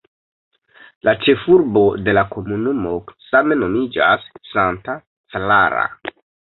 La ĉefurbo de la komunumo same nomiĝas "Santa Clara".